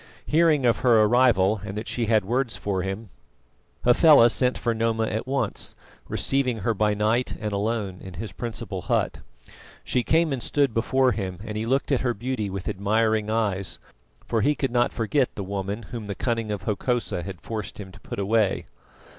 Hearing of her arrival and that she had words for him, Hafela sent for Noma at once, receiving her by night and alone in his principal hut. She came and stood before him, and he looked at her beauty with admiring eyes, for he could not forget the woman whom the cunning of Hokosa had forced him to put away.